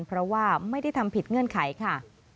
เพราะว่าไม่ได้ทำผิดเงื่อนไขค่ะ